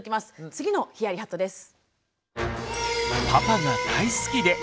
次のヒヤリハットです。